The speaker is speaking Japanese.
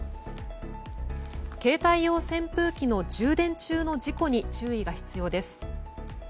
携帯用扇風機の充電中の事故に注意が必要です。